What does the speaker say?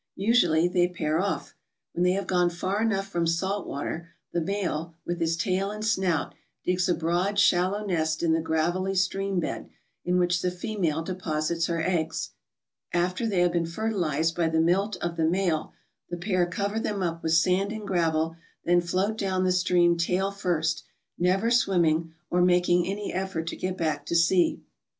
Usually they pair off. When they have gone far enough from salt water the male, with his tail and snout, digs a broad, shallow nest in the gravelly" stream bed in which the female deposits her eggs. Aftxt they have been fertilized by the milt of the male, the pair cover them up with sand and gravel, then float down the stream tail first, never swimming or making any effort to get back to sea.